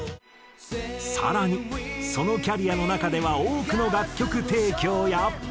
更にそのキャリアの中では多くの楽曲提供や。